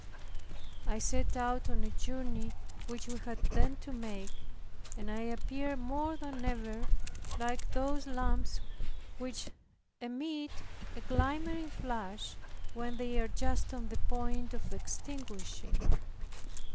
I set out on a journey, which we had then to make, and I appeared more than ever like those lamps which emit a glimmering flash, when they are just on the point of extinguishing.